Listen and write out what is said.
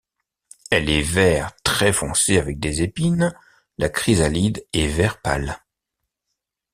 Elle est vert très foncé avec des épines, la chrysalide est vert pâle.